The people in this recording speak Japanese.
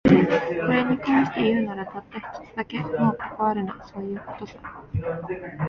これに関して言うなら、たった一つだけ。もう関わるな、そういう事さ。